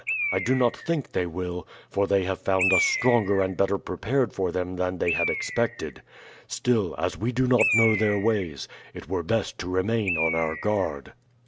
I do not think they will, for they have found us stronger and better prepared for them than they had expected. Still, as we do not know their ways, it were best to remain on our guard."